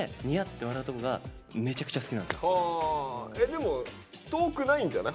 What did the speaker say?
でも遠くないんじゃない？